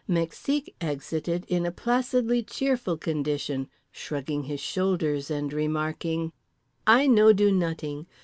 Mexique exited in a placidly cheerful condition, shrugging his shoulders and remarking: "I no do nut'ing.